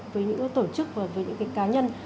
với những tổ chức và với những cái cá nhân